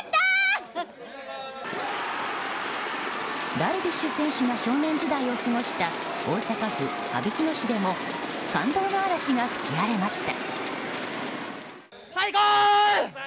ダルビッシュ選手が少年時代を過ごした大阪府羽曳野市でも感動の嵐が吹き荒れました。